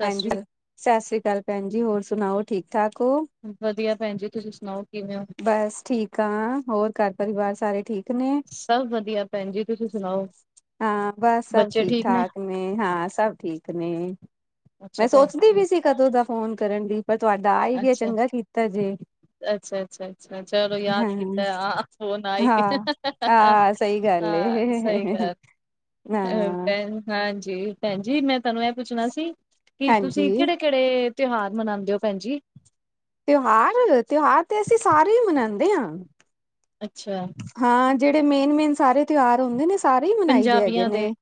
ਸਤਿ ਹਾਂਜੀ, ਸ੍ਰੀ ਸਾਸਰੀਕਾਲ ਭੈਨ ਜੀ, ਹੋਰ ਸੁਨਾਓ ਠੀਕ-ਠਾਕ ਓ? ਵਦੀਆ ਭੈਨ ਜੀ, ਤੂਸੀ ਸੁਨਾਓ ਕਿਵੇਂ ਓ? ਬਾੱਸ, ਠੀਕ ਆਂ, ਹੋਰ ਘਾਰ ਪਰਿਵਾਰ ਸਾਰੇ ਠੀਕ ਨੇ, ਸਭ ਵਧੀਆ ਭੈਣ ਜੀ ਤੁਸੀਂ ਸੁਣਾਓ ਹਾਂ, ਬਾੱਸ ਸਬ ਬੱਚੇ ਠੀਕ ਠੀਕ-ਠਾਕ ਨੇ ਹਾਂ, ਸਬ ਠੀਕ ਨੇ। ਅੱਛਾ ਮੈਂ ਭੈਣ ਸੋਚਦੀ ਜੀ ਪੀ ਸੀ, ਕਦੋਂ ਦਾ ਫੋਨ ਕਰਨ ਦੀ ਪਰ ਤੂਆਡਾ ਆ ਈ ਗੇਆ, ਚੰਗਾ ਕੀਤਾ ਜੇ। ਅੱਛ, ਅੱਛ, ਅੱਛ ਛ, ਚਲੋ ਯਾਦ ਹਾਂ ਕੀਤਾ ਹਾ ਫੋਨ ਆ ਈ ਹਾਂ ਗੇਆ [unintelligible] ਹਾਂ ਸਹੀ ਗੱਲ ਏ ਹਾਂ, ਸਈ ਗੱਲ ਹਾਂ [unintelligible] ਹਾਂਜੀ, ਭੈਨ ਜੀ ਮੈਂ ਤੂਆਨੂੰ ਐ ਪੁੱਛਨਾ ਸੀ ਕਿ ਤੂਸੀ ਹਾਂਜੀ ਕੇੜੇ ਕੇੜੇ ਤਿਉਹਾਰ ਮਨਾਂਦੇ ਓ ਭੈਨ ਜੀ? ਤਿਉਹਾਰ-ਤਿਉਹਾਰ ਤੇ ਅਸੀ ਸਾਰੇ ਈ ਮਨਾਂਦੇ ਆਂ। ਅੱਛਾ। ਹਾਂ, ਜੇੜੇ ਮੇਨ-ਮੇਨ ਸਾਰੇ ਤਿਉਹਾਰ ਹੁੰਦੇ ਨੇ ਸਾਰੇ ਈ ਮਨਾਈ ਦੇ ਹੈਗੇ ਨੇ,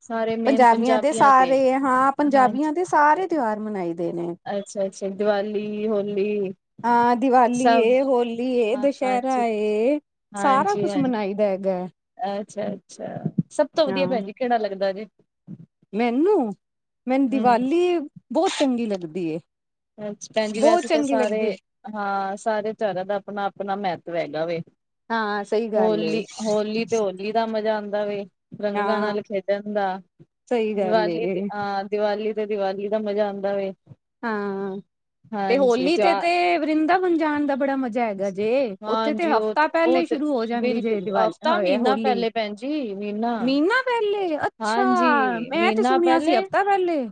ਪੰਜਾਬੀਆਂ ਦੇ ਸਾਰੇ, ਹਾਂ ਪੰਜਾਬੀਆਂ ਦੇ ਸਾਰੇ ਤਿਉਹਾਰ ਮਨਾਈ ਦੇ ਨੇ। ਅੱਛਾ-ਅੱਛਾ, ਦੀਵਾਲੀ, ਹੋਲੀ ਹਾਂ, ਦੀਵਾਲੀ ਸਭ ਏ, ਹੋਲੀ ਏ ਦਸ਼ਐਰਾ ਏ। ਹਾਂਜੀ‌। ਕੁੱਛ ਮਨਾਈ ਦਾ ਹੈਗੈ। ਅੱਛਾ, ਅੱਛਾ ਸਬ ਤੋਂ ਵਦੀਆ ਹਾਂ ਭੈਨ ਜੀ ਕੇੜਾ ਲੱਗਦਾ ਜੇ? ਮੈਨੂੰ, ਮੈਨ ਹੂੰ ਦੀਵਾਲੀ ਬੋਤ ਚੰਗੀ ਲੱਗਦੀ ਏ। ਅੱਛ, ਭੈਨ ਜੀ ਬਹੁਤ ਵੈਸੇ ਤਾਂ ਚੰਗੀ ਸਾਰੇ, ਲੱਗਦੀ ਹਾਂ ਸਾਰੇ ਤੇਓਰਾਂ ਦਾ ਅਪਨਾ-ਅਪਨਾ ਮਹੱਤਵ ਹੈਗਾ ਵੇ। ਹਾਂ ਸਹੀ ਗੱਲ ਏ ਹੋਲੀ-ਹੋਲੀ ਤੇ ਹੋਲੀ ਦਾ ਮਜਾ ਆਂਦਾ ਵੇ ਰੰਗਾਂ ਹਾਂ ਨਾਲ ਖੇਡਨ ਦਾ, ਸਹੀ ਗੱਲ ਦਿਵਾਲੀ ਏ ਤੇ, ਆਂ ਦੀਵਾਲੀ ਤੇ ਦੀਵਾਲੀ ਦਾ ਮਜਾ ਆਂਦਾ ਵੇ। ਹਾਂ। ਤੇ ਹਾਂਜੀ ਹੋਲੀ ਤਿਉਹਾਰ ਤੇ-ਤੇ ਵਰਿੰਦਾਵਨ ਜਾਨ ਦਾ ਬੜਾ ਮਜਾ ਹੈਗਾ ਜੇ, ਓਥੇ ਤੇ ਹਾਂਜੀ ਉਹ ਹਫ਼ਤਾ ਉਹ ਪੈਲੇ ਤੇ ਸ਼ੁਰੂ ਹੋ ਜਾਂਦੀ ਜੇ ਬਿਲਕੁਲ ਦੀਵਾਲੀ ਹਫ਼ਤਾ ਹਏ ਮਹੀਨਾ ਹੋਲੀ, ਪਹਿਲੇ ਭੈਣ ਜੀ ਮਹੀਨਾ ਮ੍ਹੀਨਾ ਪੈਲੇ ਅ ਛਾ, ਹਾਂਜੀ ਮੈਂ ਤੇ ਸੁਣੇਆ ਸੀ ਹਫਤਾ ਪ੍ਹੈਲੇ।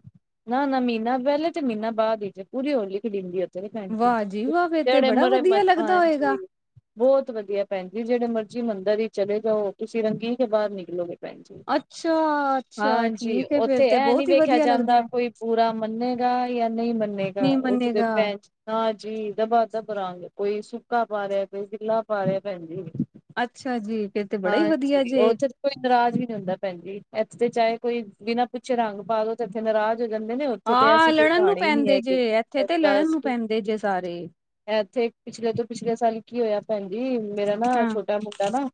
ਨਾ-ਨਾ ਮ੍ਹੀਨਾ ਪ੍ਹੈਲੇ ਤੇ ਮ੍ਹੀਨਾ ਬਾਦ ਵਿੱਚ ਪੂਰੀ ਹੋਲੀ ਖੇਡੀਂਦੀ ਓ ਵਾਹ ਜੀ ਵਾਹ ਫੇਰ ਤੇ ਬੜਾ ਵਧੀਆ ਲੱਗਦਾ ਹੋਏਗਾ। [inaudible] ਬੋਤ ਵਦੀਆ ਭੈਨ ਜੀ ਜੇੜੇ ਮਰਜੀ ਮੰਦਰ ਈ ਚਲੇ ਜਾਓ, ਤੂਸੀ ਰੰਗੀ ਕੇ ਬਾਰ ਨਿਕਲੋਗੇ। ਭੈਣ ਜੀ, ਅੱਛਾ, ਅੱਛਾ ਹਾਂਜੀ। ਠੀਕ ਹੈ ਫੇਰ ਉੱਥੇ ਤੇ ਐਹ ਨੀ ਬਹੁਤ ਹੀ ਵੇਖਿਆ ਵਧੀਆ ਲੱਗਦਾ ਜਾਂਦਾ ਹੈ। ਪੂਰਾ ਮੰਨੇਗਾ ਜਾਂ ਨਹੀ ਮੰਨੇਗਾ। ਨਹੀਂ ਉਥੇ ਤੇ ਮੰਨੇਗਾ ਭੈ ਹਾਂਜੀ, ਦਬਾ-ਦਬ ਰੰਗ। ਕੋਈ ਸੁੱਕਾ ਪਾ ਰਿਹਾ, ਕੋਈ ਗਿੱਲਾ ਪਾ ਰਿਹਾ, ਭੈਣ ਜੀ। ਅੱਛਾ ਜੀ। ਫੇਰ ਤੇ ਬੜਾ ਈ ਵਧੀਆ ਹਾਂਜੀ ਜੇ। ਉੱਥੇ ਕੋਈ ਨਰਾਜ਼ ਵੀ ਨੀ ਹੁੰਦਾ ਭੈਨਜੀ। ਐਥੇ ਤੇ ਚਾਹੇ ਕੋਈ, ਬਿਨਾਂ ਪੁੱਛੇ ਰੰਗ ਪਾ ਦੋ ਤੇ ਐਥੇ ਨਰਾਜ਼ ਹੋ ਜਾਂਦੇ ਨੇ। ਉੱਥੇ ਤੇ ਹਾਂ ਐਸੀੇ ਕੋਈ ਲੜਨ ਨੂੰ ਕਹਾਣੀ ਨੀ ਪੈਂਦੇ ਜੇ ਹੈਗੇ। ਇੱਥੇ ਤੇ ਲੜਨ ਬਸ ਨੂੰ ਪੈਂਦੇ ਜੇ ਸਾਰੇ ਐਥੇ ਪਿਛਲੇ ਤੋਂ ਪਿਛਲੇ ਸਾਲ ਕੀ ਹੋਇਆ ਭੈਣ ਜੀ ਮੇਰਾ ਨਾ, ਹਾਂ ਛੋਟਾ ਮੁੰਡਾ ਨਾ।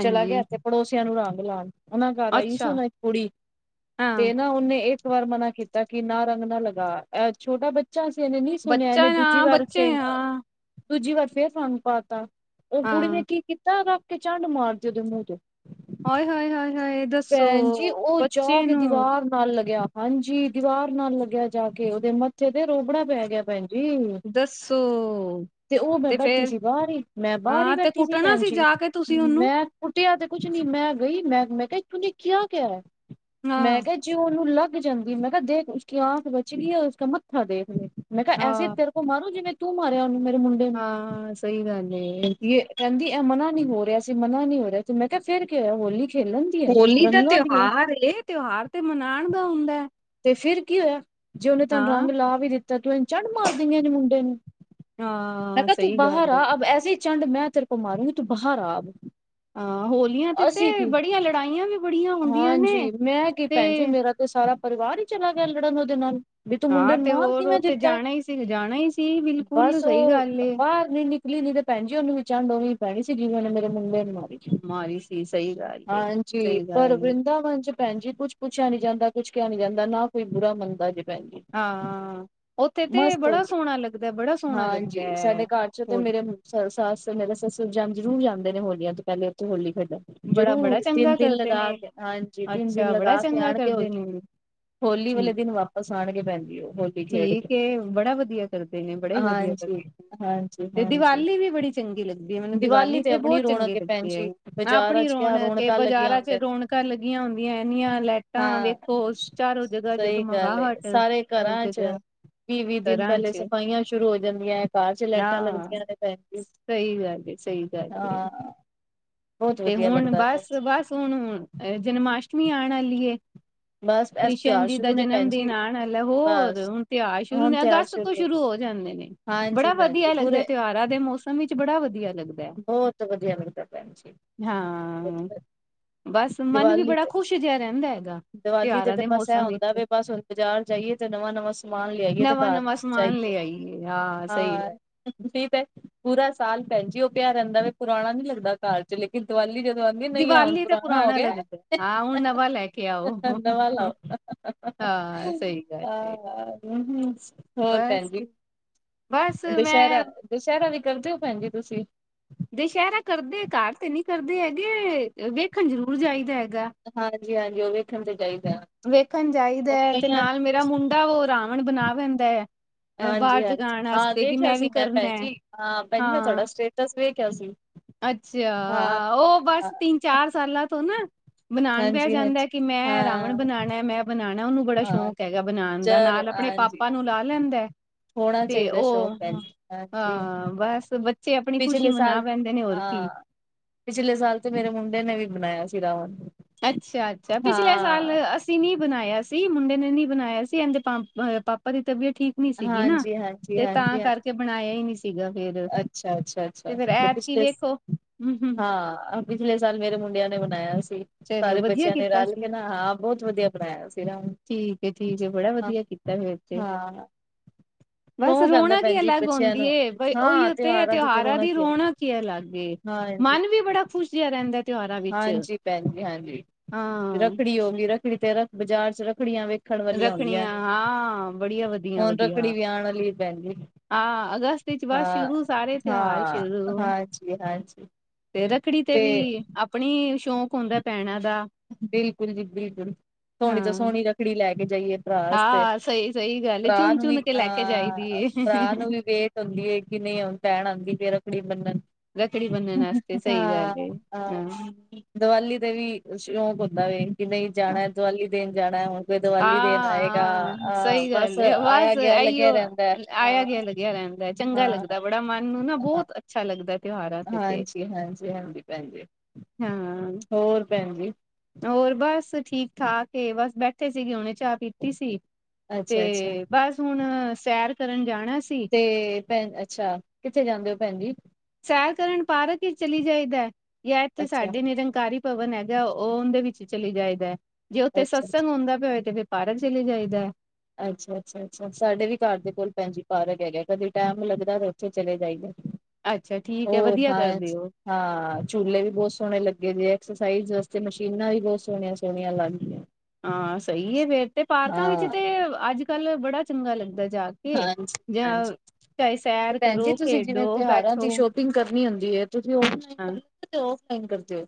ਚਲਾ ਗਿਆ ਐਥੇ ਪੜੋਸੀਆਂ ਨੂੰ ਰੰਗ ਲਾਣ ਉਹਨਾਂ ਘਰ ਆਈ ਹਿ ਸੀ ਉਹ ਅੱਛਾ ਨਾ ਇੱਕ ਕੁੜੀ ਹਾਂ ਤੇ ਨਾ ਉਹਨੇ ਇ ਇੱਕ ਵਾਰ ਮਨਾ ਕੀਤਾ ਕਿ ਨਾ, ਰੰਗ ਨਾ ਲਗਾ। ਐ ਛੋਟਾ ਬੱ ਚਾ ਸੀ। ਇਹਨੇ ਨਹੀ ਸੁਣਿਆ, ਬੱਚਾ ਇਹਨੇ ਦੂਜੀ ਹਾਂ ਵਾਰ ਬੱਚੇ ਫੇ ਹਾਂ ਦੂਜੀ ਵਾਰ ਫੇਰ ਪਾਣੀ ਪਾ ਤਾ। ਉਹ ਕੁੜੀ ਨੇ ਹਾਂ। ਕੀ ਕੀਤਾ, ਰੱਖ ਕੇ ਚੰਡ ਮਾਰਤੀ ਉਹਦੇ ਮੂੰਹ 'ਤੇ। ਆਏ, ਹਾਏ-ਹਾਏ-ਹਾਏ। ਭੈਣ ਜੀ, ਉਹ ਜਾ ਕੇ ਦੀਵਾਰ ਨਾਲ ਲੱਗਿਆ, ਹਾਂਜੀ। ਦੀਵਾਰ ਨਾਲ ਲੱਗਿਆ ਜਾ ਕੇ। ਉਹਦੇ ਮੱਥੇ ਤੇ ਰੋਬੜਾ ਪੈ ਗਿਆ, ਭੈ ਦੱਸੋ। ਤੇ ਉਹ ਮੈਂ ਬੈਠੀ ਸੀ, ਬਾਹਰ ਈ। ਮੈਂ ਬਾਹਰ ਈ ਹਾਂ ਤੇ ਬੈਠੀ ਸੀ ਕੁੱਟਣਾ ਭੈਣ ਜੀ। ਜਾ ਕੇ ਤੁਸੀਂ ਉਹਨੂੰ ਮੈਂ ਕੁੱਟਿਆ ਤੇ ਕੁਛ ਨੀ। ਮੈਂ ਗਈ ਮੈਂ-ਮੈਂ ਕਿਹਾ ਤੂੰਨੇ ਕਿਹਾ ਕਿਆ। ਮੈਂ ਹਾਂ, ਕਿਹਾ ਜੇ ਓਨੂੰ ਲੱਗ ਜਾਂਦੀ। ਮੈਂ ਕਿਹਾ ਦੇਖ, ਉਸਕੀ ਆਂਖ ਬੱਚਗੀ ਏ। ਉਸਕਾ ਮੱਥਾ ਦੇਖ ਲੇ। ਮੈਂ ਕਿਹਾ, ਐਸੇ ਹਾਂ, ਤੇਰ ਤੋਂ ਮਾਰੂ। ਜਿਵੇਂ ਤੂੰ ਮਾਰਿਆ ਉਹਨੂੰ, ਮੇਰੇ ਮੁ ਹਾਂ, ਸਹੀ ਗੱਲ ਏ। ਕਹਿੰਦੀ ਐਹ ਮਨਾ ਨੀ ਹੋ ਰਿਹਾ ਸੀ। ਮਨਾ ਨੀ ਹੋ ਰਿਹਾ ਤੇ ਮੈਂ ਕਿਹਾ ਫੇਰ ਕੀ ਹੋਇਆ। ਹੋਲੀ ਖੇਲਣ ਦੀ ਹੈ ਹੋਲੀ ਦਾ ਰੰਗਾਂ ਦੀ ਹੈ। ਤਿਉਹਾਰ ਏ। ਤਿਉਹਾਰ ਤੇ ਮਨਾਂਣ ਦਾ ਹੁੰਦਾ ਐ। ਤੇ ਫਿਰ ਕੀ ਹੋਇਆ। ਜੇ ਉਹਨੇ ਤੈਨੂੰ ਰੰਗ ਲਾ ਵੀ ਦਿੱਤਾ। ਤੂੰ ਇਹਨੂੰ ਚੰਡ ਮਾਰ ਦੇਨੀ ਆਂ ਨੇ ਮੁੰਡੇ ਨੂੰ। ਮੈਂ ਹਾਂ ਕਿਹਾ ਤੂੰ ਸਹੀ ਬਾਹਰ ਗੱਲ ਏ ਆ। ਅਬ ਐੇਸੀ ਚੰਡ ਮੈਂ ਤੇਰੇ ਕੋ ਮਾਰੂੰਗੀ। ਤੂੰ ਬਾਹਰ ਆ ਅਬ। ਹਾਂ ਹੋਲੀਆਂ ਤੇ ਅਸੀਂ ਤੇ ਕੀ, ਬੜੀਆਂ ਲੜਾਈਆਂ ਵੀ ਬੜੀਆਂ ਹੁੰਦੀਆਂ ਨੇ ਹਾਂਜੀ। ਮੈਂ ਕੀ ਤੇ ਭੈਣ ਜੀ, ਮੇਰਾ ਤੇ ਸਾਰਾ ਪਰਿਵਾਰ ਈ ਚਲਾ ਗਿਆ, ਲੜਨ ਉਹਦੇ ਨਾਲ ਬੀ ਤੂੰ ਮੁੰਡੇ ਹਾਂ ਨੂੰ ਤੇ ਮਾਰ ਹੋਰ ਉਹ ਕਿਵੇਂ ਤੇ ਦਿੱਤਾ। ਜਾਣਾ ਹੀ ਸੀ ਜਾਣਾ ਹੀ ਸੀ ਬਿਲਕੁਲ ਬਸ ਸਹੀ ਉਹ ਗੱਲ ਏ ਬਾਰ ਨੀ ਨਿਕਲੀ ਨੀ ਤੇ ਭੈਣ ਜੀ। ਉਹਨੂੰ ਵੀ ਚੰਡ ਓਵੇ ਈ ਪੈਣੀ ਸੀ। ਜਿਵੇਂ ਉਹਨੇ ਮੇਰੇ ਮੁੰਡੇ ਨੂੰ ਮਾਰੀ। ਮਾਰੀ ਸੀ ਸਹੀ ਗੱਲ ਏ ਹਾਂਜੀ। ਸਹੀ ਪਰ ਗੱਲ ਏ ਵਿੰਦਾਵਨ 'ਚ ਭੈਣ ਜੀ ਕੁੱਛ ਪੁੱਛਿਆ ਨੀ ਜਾਂਦਾ। ਕੁਛ ਕਿਹਾ ਨੀ ਜਾਂਦਾ। ਨਾ ਕੋਈ ਬੁਰਾ ਮੰਨਦਾ ਜੇ ਭੈਣ ਜੀ। ਹਾਂ ਉੱਥੇ ਤੇ ਮਸਤ ਬੜਾ ਹੋਲੀ, ਸੋਹਣਾ ਲੱਗਦਾ ਬੜਾ ਸੋਹਣਾ ਲੱਗਦਾ ਹਾਂਜੀ। ਹੈ ਸਾਡੇ ਘਰ 'ਚੋਂ ਤੇ ਹੋਰ ਮੇਰੇ ਮੁ ਸ-ਸੱਸ ਮੇਰੇ ਸਸੁਰ ਜਨ, ਜਰੂਰ ਜਾਂਦੇ ਨੇ। ਹੋਲੀਆਂ ਤੋਂ ਪਹਿਲੇ, ਉੱਥੇ ਹੋਲੀ ਖੇਡਣ। ਬੜਾ ਬੜਾ ਜ਼ਰੂਰ ਤਿੰਨ ਚੰਗਾ ਦਿਨ ਕਰਦੇ ਲਗਾ ਨੇ ਕੇ, ਹਾਂਜੀ। ਤਿੰਨ ਦਿਨ ਅੱਛਾ ਬੜਾ ਲਗਾ ਕੇ ਚੰਗਾ ਆਣਗੇ। ਕਰਦੇ ਹੋਲੀ ਨੇ ਹੋਲੀ ਵਾਲੇ ਠੀਕ ਦਿਨ ਵਾਪਸ ਆਣਗੇ ਭੈਣ ਜੀ ਉਹ। ਹੋਲੀ ਖੇਡ ਕੇ। ਤੇ ਉਹ ਬੜਾ ਵਧੀਆ ਕਰਦੇ ਨੇ ਬੜਾ ਹੀ ਵਧੀਆ ਕਰਦੇ ਹਾਂਜੀ। ਤੇ ਹਾਂਜੀ-ਹਾਂਜੀ, ਦੀਵਾਲੀ ਵੀ ਬੜੀ ਚੰਗੀ ਲੱਗਦੀ ਹੈ ਮੈਨੂੰ ਦੀਵਾਲੀ ਤੇ ਆਪਣੀ ਰੌਣਕ ਏ ਭੈਣ ਜੀ। ਹਾਂ, ਬਾਜ਼ਾਰਾਂ ਆਪਣੀ ਚ ਕਿਆ ਰੌਣਕ ਕੇ ਰੌਣਕਾਂ ਲੱਗੀਆਂ ਬਾਜ਼ਾਰਾਂ 'ਚ ਹੁੰਦੀਆਂ ਰੌਣਕਾਂ ਲੱਗੀਆਂ ਹੁੰਦੀਐ। ਇਹਨੀਆਂ ਲੈਟਾਂ ਹਾਂ ਵੇਖੋ ਚਾਰੋਂ ਜਗ੍ਹਾ, ਸਹੀ ਜਗ-ਮੰਗਾਹਟ। ਹਰ ਜਗ੍ਹਾ ਵੀਹ-ਵੀਹ ਦਿਨ ਘਰਾਂ ਪਹਿਲੇ ਚ ਸਫ਼ਾਈਆਂ ਸ਼ੁਰੂ ਹੋ ਜਾਂਦੀਆਂ ਐ। ਘਾਰ 'ਚ ਲੈਟਾਂ ਹਾਂ ਲੱਗਦੀਆਂ ਨੇ ਭੈਣ ਜੀ। ਸਹੀ ਗੱਲ ਏ, ਸਹੀ ਗੱਲ ਏ। ਹਾਂ ਬਹੁਤ ਤੇ ਵਧੀਆ ਹੁਣ ਲੱਗਦਾ ਭੈਣ ਜੀ ਬਸ-ਬਸ ਹੁਣ, ਅ ਜਨਮ ਆਸ਼ਟਮੀ ਆਣ ਆਲੀ ਏ ਬਸ ਐਸ ਕ੍ਰਿਸ਼ਨ ਤਿਉਹਾਰ ਜੀ ਦਾ ਸ਼ੁਰੂ ਨੇ ਜਨਮ ਭੈਣ ਜੀ ਦਿਨ ਆਣ ਆਲਾ ਏ। ਹੋਰ ਬਸ ਹੁਣ ਤਿਉਹਾਰ ਸ਼ੁਰੂ ਹੁਣ ਨੇ ਤਿਉਹਾਰ ਅਗਸ ਸਤ ਤੋਂ ਸ਼ੁਰੂ ਹੋ ਜਾਂਦੇ ਨੇ। ਹਾਂਜੀ ਬੜਾ ਭੈਣ ਜੀ ਵਧੀਆ ਲੱਗਦਾ, ਪੂਰੇ ਤਿਉਹਾਰਾਂ ਦੇ ਮੌਸਮ ਵਿੱਚ ਬੜਾ ਵਧੀਆ ਲੱਗਦੈ। ਬਹੁਤ ਵਧੀਆ ਲਗਦਾ ਪੈਣ ਜੀ। ਹਾਂ, ਬਸ ਮਨ ਵੀ ਦੀਵਾਲੀ ਬੜਾ ਤੇ ਖ਼ੁਸ਼ ਜੇਆ ਰੈਂਦਾ ਹੈਗਾ। ਦੀਵਾਲੀ ਤੇ ਤਿਉਹਾਰਾਂ ਤੇ ਦੇ ਬਸ ਐਹ ਮੌਸਮ ਹੁੰਦਾ ਵਿੱਚ ਵੇ ਬਸ ਹੁਣ ਬਾਜ਼ਾਰ ਜਾਈਏ ਤੇ ਨਵਾਂ-ਨਵਾਂ ਸਮਾਨ ਲਿਆਈਏ ਤੇ ਨਵਾਂ ਕਾਰ ਨਵਾਂ ਸਮਾਨ ਲੈ ਆਈਏ ਹਾਂ ਸਈ ਗੱਲ ਠੀਕ ਐ ਪੂਰਾ ਸਾਲ ਪੈਣ ਜੀ ਓ ਪਿਆ ਰੈਦਾ ਵੇ ਪੁਰਾਣਾ ਨੀ ਲੱਗਦਾ ਕਾਰ। ਲੇਕਿਨ ਦੀਵਾਲੀ ਜਦੋਂ ਆਂਦੀ ਏ ਨਈ ਐ ਹੁਣ ਦੀਵਾਲੀ ਤਾਂ ਪੁਰਾਣਾ ਹੋ ਗਿਆ, ਲੱਗਦਾ ਹਾਂ ਹੁਣ ਨਵਾਂ ਲੈ ਕੇ ਆਓ ਨਵਾ ਲਾਓ। ਹਾਂ ਸਹੀ ਗੱਲ ਏ ਆਹ, ‌ਹੂੰ-ਹੂੰ ਹੋਰ ਪੈਨ ਬਸ ਜੀ। ਬਸ ਮੈਂ ਦੁਸੈਰਾ ਵੀ ਕਰਦੇ ਓ ਪੈਨ ਜੀ ਤੁਸੀਂ। ਦਸ਼ੈਰਾ ਕਰਦੇ ਕਾਰ ਤੇ ਨੀ ਕਰਦੇ ਹੈਗੇ, ਵੇਖਣ ਜ਼ਰੂਰ ਜਾਈਦਾ ਹੈਗਾ। ਹਾਂਜੀ-ਹਾਂਜੀ, ਓ ਵੇਖਣ ਤੇ ਜਾਈਦਾ। ਵੇਖਣ ਜਾਈਦਾ ਐ ਤੇ ਨਾਲ ਮੇਰਾ ਮੁੰਡਾ ਓ ਰਾਵਣ ਬਣਾ ਵੇਂਦਾ ਏ। ਹਾਂਜੀ-ਹਾਂਜੀ, ਹਾਂ ਦੇਖਿਆ ਸੀ ਵੀ ਮੈਂ ਕਰਨਾ ਪੈਨ ਹੈ, ਜੀ ਹਾਂ ਪੈਨ ਜੀ ਮੈਂ ਤੁਆਡਾ ਸਟੇਟਸ ਵੇਖਿਆ ਸੀ। ਅੱਛਾ, ਹਾਂ ਓ ਬਸ ਹਾਂ, ਤਿੰਨ-ਚਾਰ ਸਾਲਾਂ ਤੋਂ ਨਾ ਬਨਾਨ ਬੈ ਜਾਂਦਾ ਐ ਹਾਂਜੀ-ਹਾਂਜੀ ਕਿ ਮੈਂ ਰਾਵ ਮਣ ਹਾਂ-ਹਾਂ ਬਣਾਣਾ ਮੈਂ ਬਣਾਣਾ ਉਨੂੰ ਬੜਾ ਸ਼ੌਕ ਹੈਗਾ ਬਣਾਣ ਦਾ, ਚਲੋ ਨਾਲ ਆਪਣੇ ਹਾਂਜੀ ਪਾਪਾ ਨੂੰ ਲਾ ਲੈਂਦਾ ਐ। ਹੋਣਾ ਤੇ ਚਾਹੀਦਾ ਓ, ਸ਼ੌਕ ਭੈਣ ਜੀ ਹਾਂਜੀ ਹਾਂ ਬਸ ਬੱਚੇ ਆਪਣੀ ਖੁਸ਼ੀ ਪਿਛਲੇ ਮਨਾ ਸਾਲ ਬੈਂਦੇ ਨੇ ਹੋਰ ਕੀ। ਹਾਂ ਪਿਛਲੇ ਸਾਲ ਤੇ ਮੇਰੇ ਮੁੰਡੇ ਨੇ ਵੀ ਬਣਾਇਆ ਸੀ ਰਾਵਣ। ਅੱਛਾ-ਅੱਛਾ, ਪਿਛਲੇ ਸਾਲ ਹਾਂ ਅਸ ਤੀ ਨੀ ਬਣਾਇਆ ਸੀ, ਮੁੰਡੇ ਨੇ ਨੀ ਬਣਾਇਆ ਸੀ। ਏਂਦੇ ਪਂਪ ਪਾਪਾ ਦੀ ਤਬੀਅਤ ਠੀਕ ਨੀ ਸੀਗੀ ਨਾ, ਤੇ ਤਾਂ ਹਾਂਜੀ-ਹਾਂਜੀ-ਹਾਂਜੀ-ਹਾਂਜੀ ਕਰਕੇ ਬਣਾਇਆ ਈ ਨੀ ਸੀਗਾ ਫੇਰ। ਅੱਛਾ-ਅੱਛਾ-ਅੱਛਾ, ਫੇਰ ਤੇ ਐਤਕੀ ਪਿਛਲੇ ਸ ਵੇਖੋ ਹੂੰ ਹੂੰ ਹਾਂ। ਪਿਛਲੇ ਸਾਲ ਮੇਰੇ ਮੁੰਡਿਆਂ ਨੇ ਬਣਾਇਆ ਸੀ। ਚਲੋ ਸਾਰੇ ਵਧੀਆ ਬੱਚਿਆਂ ਨੇ ਕੀਤਾ ਰਾਲ ਸੀ। ਕੇ ਨਾ ਹਾਂ ਬੋਤ ਵਧੀਆ ਬਣਾਇਆ ਸੀ ਰਾਵਣ। ਤੇ ਫੇਰ ਤੇ, ਬਸ ਸ਼ੌਕ ਆਂਦਾ ਰੋਨਕ ਈ ਭੈਣ ਜੀ ਅਲੱਗ ਬੱਚਿਆਂ ਰੁੰਦੀ ਨੂੰ ਏ ਬ ਓਈ ਹਾਂ ਓ ਤੇ ਏ ਤਾਂ ਤਿਉਹਾਰਾਂ ਦੀ ਹੀ ਹੈ। ਰੌਣਕ ਈ ਅਲੱਗ ਏ, ਹਾਂਜੀ। ਮਨ ਵੀ ਬੜਾ ਖੁਸ਼ ਜਿਆ ਰੈਂਦਾ। ਹਾਂਜੀ ਪੈਨ ਜੀ ਹਾਂਜੀ, ਹਾਂ ਰੱਖੜੀ ਹੋਗੀ ਰੱਖੜੀ ਤੇ ਰ ਬਾਜ਼ਾਰ ਚ ਰੱਖੜੀਆਂ ਵੇਖ ਰੱਖੜਿਆਂ ਹਾਂ ਬੜੀਆ ਹੁਣ ਰੱਖੜੀ ਵਧੀਆ-ਵਧੀਆ। ਵੀ ਆਣ ਵਾਲੀ ਭੈਣ ਜੀ ਆ ਅਗਸਤ ਵਿੱਚ ਬਸ ਹਾਂ ਸ਼ੁਰੂ ਸਾਰੇ ਤਿਉਹਾਰ ਹਾਂ ਸ਼ੁਰੂ। ਹਾਂਜੀ ਹਾਂਜੀ ਤੇ ਰੱਖੜੀ ਤੇ ਵੀ ਆਪਣੀ ਸ਼ੌਕ ਹੁੰਦਾ ਪੈਨਾ ਦਾ। ਬਿਲਕੁਲ ਜੀ ਬਿਲਕੁਲ, ਸੋਹਣੀ ਤੋ ਹਾਂ ਸੋਹਣੀ ਰੱਖੜੀ ਲੈ ਕੇ ਜਾਈਏ। ਪਰਾ ਆਸਤੇ, ਹਾਂ ਸਹੀ ਸਹੀ ਗੱਲ ਏ ਪਰਾ ਚੁਣ ਨੂੰ ਵੀ ਚੁਣ ਕੇ ਲੈ ਕੇ ਜਾਈਦੀ ਅਹ ਏ। ਪਰਾ ਨੂੰ ਵੀ ਵੇ ਹੁੰਦੀ ਏ ਕਿ ਨਈ ਹੁਣ ਪੈਣ ਆਂਦੀ ਪਈ ਏ ਰੱਖੜੀ ਬੰਨਣ। ਰੱਖੜੀ ਬੰਨਣ ਆਸਤੇ ਸਈ ਹਾਂ ਗੱਲ ਏ। ਹਾਂ ਦੀਵਾਲੀ ਦੇ ਵੀ ਸ਼ੌਕ ਹੁੰਦਾ ਵੇ ਕਿ ਨਈ ਜਾਣਾ ਦੀਵਾਲੀ ਦੇਣ ਜਾਣਾ ਹੁਣ ਕੋਈ ਦੀਵਾਲੀ ਦੇਣ ਹਾਂ ਆਏਗਾ, ਹਾਂ ਅਅ ਸਹੀ ਬਸ ਗੱਲ ਏ ਆਯਾ ਬਸ ਗਯਾ ਇਹੀਓ ਲੱਗਿਆ ਰੈਂਦਾ ਏ। ਆਇਆ ਗਿਆ ਲੱਗਿਆ ਰਹਿੰਦਾ ਚੰਗਾ ਲੱਗਦਾ ਬੜਾ ਮਨ ਨੂੰ ਨਾ ਬੋਤ ਅੱਛਾ ਲੱਗਦਾ। ਤਿਉਹਾਰਾਂ ਤੇ ਤੇ ਹਾਂਜੀ-ਹਾਂਜੀ-ਹਾਂਜੀ ਪੈਨ ਜੀ, ਹਾਂ ਹੋਰ ਪੈਨ ਜੀ। ਹੋਰ ਬਸ ਠੀਕ-ਠਾਕ ਏ ਬਸ ਬੈਠੇ ਸੀਗੇ ਹਕਣੇ ਚਾਹ ਪੀਤੀ ਸੀ, ਅੱਛਾ ਅੱਛਾ ਤੇ ਬਸ ਹੁਣ ਸੈਰ ਕਰਨ ਜਾਣਾ ਸੀ। ਤੇ ਪੈਨ ਅੱਛਾ, ਕਿੱਥੇ ਜਾਂਦੇ ਓ ਪੈਣ ਜੀ। ਸੈਰ ਕਰਨ ਪਾਰਕ ਇਚ ਚਲੀ ਜਾਈਦਾ, ਯਾ ਏਥੇ ਅੱਛਾ ਸਾਡੇ ਨਿਰੰਗਕਾਰੀ ਭਵਨ ਹੈਗਾ ਓਦੇ ਵਿੱਚ ਚਲੀ ਜਾਏਦਾ, ਜੇ ਓਥੇ ਅੱਛਾ ਸਤਸੰਗਤ ਹੁੰਦਾ ਪਿਆ ਹੋਏ ਤੇ ਫੇਰ ਪਾਰਕ ਚਲੇ ਜਾਈਦਾ। ਅੱਛਾ-ਅੱਛਾ-ਅੱਛਾ ਸਾਡੇ ਵੀ ਕਾਰ ਦੇ ਕੋਲ ਪੈਨਣ ਜੀ ਪਾਰਕ ਹੈਗਾ ਕਦੇ ਟੈਮ ਲੱਗਦਾ ਤੇ ਓਥੇ ਚਲੇ ਜਾਈਦਾ। ਅੱਛਾ ਠੀਕ ਹੈ ਹੋਰ ਵਧੀਆ ਕਰਦੇ ਬਾਸ। ਹੋ ਹਾ ਝੂਲੇ ਵੀ ਬੋਤ ਸੋਹਣੇ ਲੱਗੇ ਦੇ, ਐਕਸਰਸਾਈਜ਼ ਵਾਸਤੇ ਮਸ਼ੀਨਾ ਵੀ ਬੋਤ ਸੋਣੀਆਂ-ਸੋਣੀਆਂ ਲੱਗ ਗਿਆਂ। ਹਾ ਸਈ ਏ ਫੇਰ ਤੇ, ਪਾਰਕਾ ਵਿੱਚ ਤੇ ਅੱਜ-ਕੱਲ੍ਹ ਬੜਾ ਚੰਗਾ ਲੱਗਦਾ ਜਾ ਕੇ। ਹਾਂਜੀ, ਕੇ ਜਾਂ ਹਾਂਜੀ ਚਾਏ ਸੈਰ ਕਰੋ, ਖੇਡੋ, ਬੈਠੋ। ਟਿੰਗ ਕਰਨੀ ਹੂੰਦੀ ਏ, ਤੁਸੀ ਓ [unintelligible] ਹਾਂ। ਕੇ ਔਫ ਟਾਈਮ ਕਰਦੇ ਔ!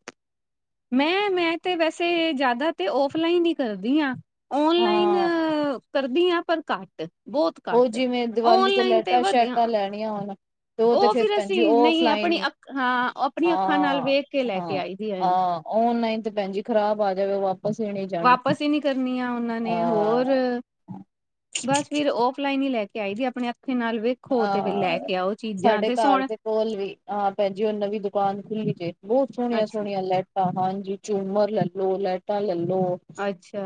ਮੈ, ਮੈ ਤੇ ਵੈਸੇ ਜਾਦਾ ਤੇ ਔਫਲਾਈਨ ਈ ਕਰਦੀ ਆ, ਔਨ ਹਾਂ। ਕਰਦੀ ਆ ਪਰ ਘੱਟ, ਬਹੁਤ ਉਹ ਘੱਟ। ਔਨਲਾਈਨ ਤੇ ਵਧੀਆ। ਵਦੀਆ ਔਨਲਾਇਨ। ਤੇ ਓ ਤੇ ਉਹ ਫੇਰ ਫਿਰ ਭੈਨ ਜੀ ਅਸੀਂ ਨਹੀਂ ਔਫਲਾਈਨ ਆਪਣੀ ਈ, ਅੱਖ ਹਾਂ ਆਪਣੀ ਹਾਂ - ਅੱਖਾਂ ਨਾਲ ਹਾਂ, ਵੇਖ ਕੇ ਲੈ ਕੇ ਹਾਂ, ਆਈ ਦੀ ਹੈ ਹਾਂ। ਔਨਲਾਈਨ ਤੇ ਭੈਨ ਜੀ ਖਰਾਬ ਆ ਜਾਵੇ ਵਾਪ ਵਾਪਸ ਈ ਨੀ ਕਰਨੀਆਂ ਉਨਾਂ ਨੇ ਹੋਰ। ਅਹ ਬਸ ਫਿਰ ਓਫਲਾਈਨ ਈ ਲੈ ਕੇ ਆਈ ਦੀ ਆਪਣੀ ਅੱਖੀ ਨਾਲ ਵੇਖ ਖੋ ਤੇ ਫੇਰ ਲੈ ਕੇ ਆਓ ਚੀਜਾ, ਤੇ ਸੋਣੇ ਹੋਲ ਵੀ, ਹਾਂ ਭੈਨਜੀ ਓ ਨਵੀਂ ਦੁਕਾਨ ਖੁੱਲੀ ਜੇ ਬੋਤ ਸੋਣੀਆਂ- ਅੱਛਾ ਸੋਣੀਆਂ ਲੈ ਟਾਂ। ਹਾਂਜੀ, ਝੂਮਰ ਲੈਲੋ, ਲੈਟਾ ਲੈ ਲੋ ਅੱਛਾ।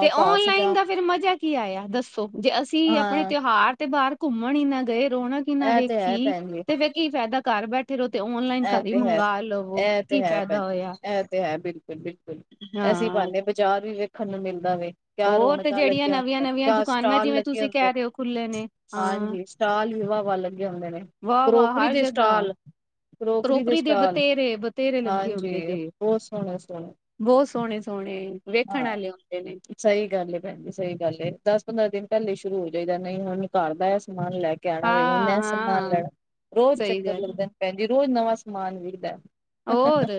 ਤੇ ਔਨਲਾਈਨ ਦਾ ਫੇਰ ਮਜਾ ਕੀ ਆਇਆ ਦੱਸੋ? ਜੇ ਅਸੀ ਅਪਣੇ ਹਾਂ ਤਿਉਹਾਰ ਤੇ ਬਾਅਰ ਘੁੰਮਣ ਈ ਨਾ ਗਏ, ਰੋਣਕ ਈ ਨਾ ਇਹ ਤੇ ਹੈ ਵੇਖੀ ਭੈਣ ਜੀ ਤੇ ਫੇਰ ਕੀ ਫੈਦਾ ਘਰ ਬੈ ਠੇ ਰਓ ਤੇ ਓਨਲਾਈਨ ਇਹ ਘਰ ਈ ਤੇ ਮੰਗਵਾ ਲਵੋ, ਕੀ ਫੈਦਾ ਹੋਇਆ। ਐ ਤੇ ਹੈ ਬਿਲਕੁਲ, ਬਿਲਕੁਲ। ਐਸੀ ਹਾਂ ਬਹਾਨੇ ਬਜ਼ਾਰ ਵੀ ਵੇਖਨ ਨੂੰ ਮਿਲਦਾ ਵੇ। ਕਿਆ ਹੋਰ ਤੇ ਰੌਣਕਾਂ ਜਿਹੜੀਆਂ ਲੱਗੀਆਂ ਨਵੀਆਂ ਹੁੰਦੀਆ ਨੇ, ਨਵੀਆਂ ਕਿਆ ਦੁਕਾਨਾਂ ਸਟਾਲ ਜਿਵੇਂ ਲੱਗੇ ਤੁਸੀਂ ਹੁੰਦੇ ਕਹਿ ਰਹੇ ਹੋ ਖੁੱਲੇ ਨੇ, ਹਾਂ ਹਾਂਜੀ। ਸਟਾਲ ਵੀ ਵਾ-ਵਾ ਲੱਗੇ ਹੁੰਦੇ ਨੇ, ਵਾਹ ਵਾਹ ਕਰੋਕਰੀ ਹਰ ਦੇ ਜਗ੍ਹਾ ਸਟਾਲ। ਕਰੋਕਰੀ ਦੇ ਬਤੇਰੇ-ਬਤੇਰੇ ਲੱਗੇ ਹਾਂਜੀ ਹੁੰਦੇ ਜੇ। ਬਹੁਤ ਸੋਹਣੇ ਸੋਹਣੇ ਬੋਤ ਸੋਣੇ-ਸੋਣੇ ਵੇਖਣ ਆਲੇ ਹੁੰਦੇ ਨੇ। ਸਈ ਗੱਲ ਏ ਭੈਨ ਜੀ, ਸਈ ਗੱਲ ਏ। ਦਸ ਪੰਦਰਾਂ ਦਿਨ ਪੈਲੇ ਈ ਸ਼ੁਰੂ ਹੋ ਜਾਈਦੈ, ਨਈ ਹੁਨ ਘਰ ਦਾ ਐ ਸਮ ਸਮਾਨ ਲੈ ਕੇ ਆਣਾ ਵੇ, ਹੁਣ ਹਾਂ ਐ ਸਮਾਨ ਹਾਂ ਲੈਣਾ ਰੋਜ ਸਹੀ ਚੱਕਰ ਗੱਲ ਲੱਗਦੈ। ਭੈਨ ਜੀ ਰੋਜ ਨਵਾ ਸਮਾਨ ਵਿਖਦੈ। ਹੋਰ,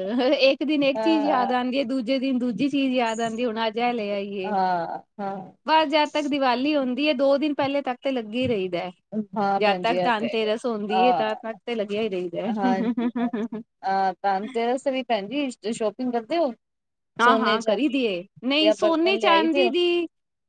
ਏਕ ਦਿਨ ਏਕ ਚੀਜ਼ ਯਾਦ ਆਂਦੀ ਏ, ਦੂਜੇ ਦਿਨ ਦੂਜੀ ਚੀ ਚੀਜ਼ ਯਾਦ ਆਂਦੀ ਹੁਣ ਅੱਜ ਐ ਲੈ ਆਈਏ। ਹਾਂ। ਹਾਂ। ਬਸ ਜਦ ਤੱਕ ਦੀਵਾਲੀ ਅਉਂਦੀ ਏ ਦੋ ਦਿਨ ਪੈਲੇ ਤੱਕ ਤੇ ਲੱਗੇ ਰਈਦੈ। ਹਾਂ ਜਦ ਭੈਣ ਜੀ ਤੱਕ ਇਹ ਤੇ ਧੰਨ ਹੈਗਾ ਤੇਰਸ ਹੁੰਂਦੀ ਏ ਤਦ ਹਾਂ ਤੱਕ ਤੇ ਲੱਗਿਆ ਈ ਰਈਦੈ [unintelligible] ਧੰਨ ਤੇਰਸ ਤੇ ਵੀ ਭੈਨ ਜੀ ਤੁਸੀਂ ਸ਼ੋਪਿੰਗ ਕਰਦੇ ਓ? ਹਾਂ-ਹਾਂ ਕਰੀ ਦੀ ਏ। ਨਈ ਬਰਤਨ ਸੋਨੇ, ਲਿਆਈ ਦੇ ਚਾਂਦੀ ਹੋ ਦੀ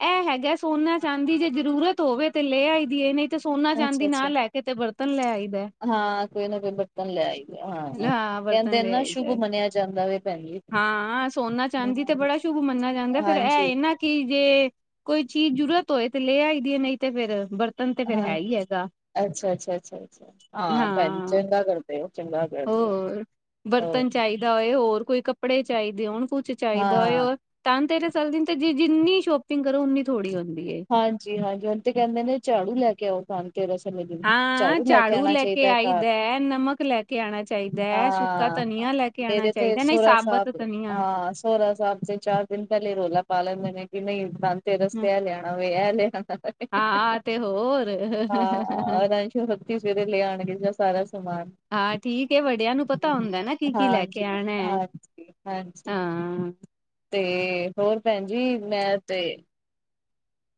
ਐ ਹੈਗਾ ਸੋਨਾ ਚਾਂਦੀ ਜੇ ਜ਼ਰੂਰਤ ਹੋਵੇ ਤੇ ਲੇ ਆਈ ਦੀ ਏ ਨਈ ਤੇ ਸੋਨਾ ਚਾਂਦੀ ਨਾ ਲੈ ਕੇ ਤੇ ਬਰਤਨ ਲੈ ਆਈ ਦੈ। ਹਾ, ਕੋਈ ਨਾ ਕੋਈ ਬਰਤਨ ਲੈ ਆਈਦੈ, ਹਾਂ। ਕੈਂਦੇ ਬਰਤਨ ਏਨ ਲੈ ਨਾ ਆਈਦਾ। ਸ਼ੁੱਭ ਮੰਨਿਆ ਜਾਦਾ ਵੇ ਭੈਨ ਜੀ। ਹਾਂ, ਸੋਨਾ ਚਾਂਦੀ ਤੇ ਹਮ ਬੜਾ ਸ਼ੁਭ ਮੰਨਿਆ ਜਾਦੈ ਫੇਰ ਐ ਹਾਂਜੀ ਏ ਨਾ ਕਿ ਜੇ ਕੋਈ ਚੀਜ਼ ਜ਼ਰੂਰਤ ਹੋਏ ਤੇ ਲੇ ਆਈ ਦੀ ਏ ਨਈ ਤੇ ਫੇਰ ਬਰ ਤਨ ਤੇ ਫੇਰ ਹੈ ਈ ਹੈਗਾ। ਅੱਛਾ-ਅੱਛਾ-ਅੱਛਾ-ਅੱਛਾ। ਹਾਂ ਭੈਨਜੀ ਚੰਗਾ ਕਰਦੇ ਓ, ਚੰਗਾ ਕਰਦੇ ਓ। ਹੋਰ ਬਰਤਨ ਚਾਹੀਦਾ ਹੋਏ। ਹੋਰ ਕੋਈ ਕੱਪੜੇ ਚਾਹੀਦੇ ਹੋਣ, ਕੁਛ ਚਾਹੀਦਾ ਹੋਏ। ਹਾਂ ਧਨ ਤੇਰਸ ਆਲੇ ਦਿਨ ਤੇ ਜਿੰਨੀ ਸ਼ੋਪਿੰਗ ਕਰੋ, ਉਨੀ ਥੋੜ੍ਹੀ ਹੁੰਦੀ ਏ। ਹਾਂਜੀ -ਹਾਂਜੀ ਹੁਣ ਤੇ ਕਹਿੰਦੇ ਨੇ ਝਾੜੂ ਲੈ ਕੇ ਆਓ, ਘਰ ਤੇ ਉਸ ਦਿਨ ਹਾਂ ਝਾੜੂ ਲੈ ਕੇ ਆਉਣਾ ਚਾਹੀਦਾ ਘਰ। ਆਈਦਾ ਨਮਕ ਲੈ ਕੇ ਆਣਾ ਚਾਹੀਦਾ ਹੈ ਸੁੱਕਾ ਹਾਂ ਧਨੀਆ ਲੈ ਕੇ ਆਣਾ ਮੇਰੇ ਤੇ ਚਾਹੀਦਾ ਨਹੀਂ ਸੋਹਰਾ ਸਾਬਤ ਸਾਹਿਬ ਧਨੀਆ ਹਾਂ। ਸੋਰਾ ਸਾਹਿਬ ਤੇ ਚਾਰ ਇਕ ਦਿਨ ਪਹਿਲੇ ਰੌਲਾ ਪਾ ਲੈਂਦੇ ਨੇ ਕਿ ਨਹੀਂ ਧਨ ਤੇਰਸ ਤੇ ਏ ਲਿਆਣਾ ਵੇ ਇਹ ਲਿਆਣਾ। ਹਾਂ ਆ ਤੇ ਹੋ। ਹੋਰ ਹਾਂ [unintelligible] ਸਵੇਰੇ ਲੈ ਆਣਗੇ ਸਾਰਾ ਸਮਾਨ ਹਾਂ ਠੀਕ ਏ ਵਡੀ। ਵਡਿਆਂ ਨੂੰ ਪਤਾ ਹੁੰਦਾ ਨਾ, ਕੀ -ਕੀ ਲੈ ਕੇ ਹਾਂਜੀ, ਆਉਣਾ ਹੈ ਹਾਂਜੀ, ਹਾਂਜੀ ਹਾਂ। ਤੇ ਹੋਰ ਭੈਣ ਜੀ ਮੈਂ ਤੇ।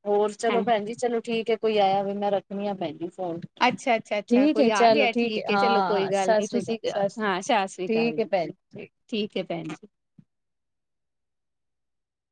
ਹੋਰ ਚਲੋ ਹੈ ਭੈਣ ਜੀ ਚਲੋ ਠੀਕ ਏ ਕੋਈ ਆਇਆ ਵੇ ਮੈਂ ਰੱਖਣੀ ਆ ਭੈਣ ਜੀ ਫੋਨ। ਅੱਛਾ ਅੱਛਾ ਅੱਛਾ ਠੀਕ ਹੈ ਕੋਈ ਆ ਚਲੋ ਗਿਆ ਠੀਕ ਹੈ ਚਲੋ ਹਾਂ ਕੋਈ ਹਾਂ ਗੱਲ ਨੀ ਸਸਰੀ ਤੁਸੀਂ ਅਕਾਲ ਸਸਰੀ ਹਾਂ ਅਕਾਲ ਸਤਿ ਸ੍ਰੀ ਅਕਾਲ ਠੀਕ ਹੈ ਭੈਣ। ਜੀ ਠੀਕ ਠੀਕ ਹੈ ਭੈਣ ਜੀ